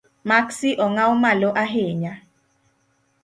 Maksi ong’aw malo ahinya?